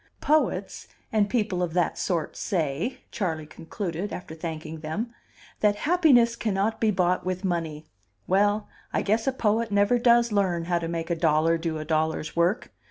"Poets and people of that sort say" (Charley concluded, after thanking them) "that happiness cannot be bought with money. Well, I guess a poet never does learn how to make a dollar do a dollar's work.